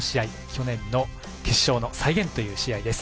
去年の決勝の再現という試合です。